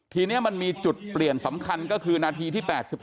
ทีนี้มันมีจุดเปลี่ยนสำคัญก็คือนาทีที่๘๑